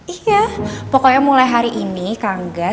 iya pokoknya mulai hari ini kang gas